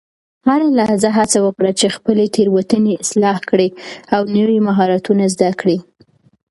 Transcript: هره لحظه هڅه وکړه چې خپلې تیروتنې اصلاح کړې او نوي مهارتونه زده کړې.